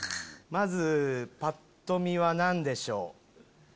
まずぱっと見は何でしょう。